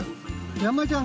山ちゃん？